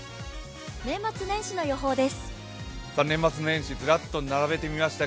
年末年始の予報です。